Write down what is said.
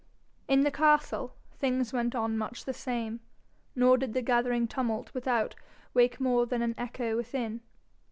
In the castle things went on much the same, nor did the gathering tumult without wake more than an echo within.